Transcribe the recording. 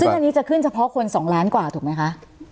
ซึ่งอันนี้จะขึ้นเฉพาะคน๒ล้านกว่าถูกไหมคะ